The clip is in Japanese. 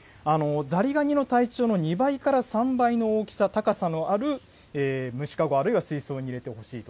ザリガニの体長の２倍から３倍の大きさ、高さのある虫かごあるいは水槽に入れてほしいと。